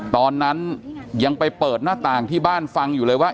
ตอนนั้นยังไปเปิดหน้าต่างที่บ้านฟังอยู่เลยว่า